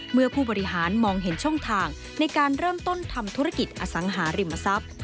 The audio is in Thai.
ผู้บริหารมองเห็นช่องทางในการเริ่มต้นทำธุรกิจอสังหาริมทรัพย์